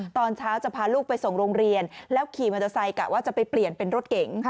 ตอนเช้าจะพาลูกไปส่งโรงเรียนแล้วขี่มอเตอร์ไซค์กะว่าจะไปเปลี่ยนเป็นรถเก๋ง